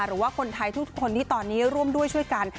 หรือว่าคนไทยทุกคนที่ตอนนี้ร่วมด้วยช่วยกัน